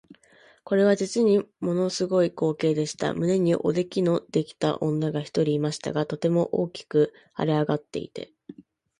これは実にもの凄い光景でした。胸におできのできた女が一人いましたが、とても大きく脹れ上っていて、